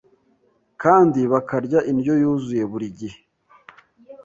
kandi bakarya indyo yuzuye -burigihe